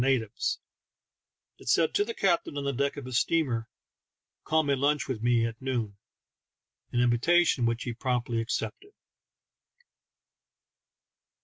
natives ; it said to the captain on the deck of his steamer, " Come and lunch with me at noon "— an invitation which he promptly accepted.